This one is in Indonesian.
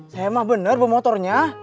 saya emang bener bawa motornya